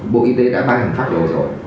bộ y tế đã ban hành pháp độ rồi